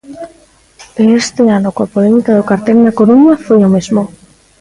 E este ano coa polémica do cartel na Coruña foi o mesmo.